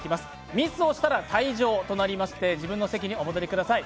ミスをしたら退場となりまして自分の席にお戻りください。